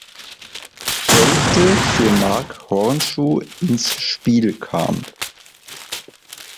Hälfte für Marc Hornschuh ins Spiel kam.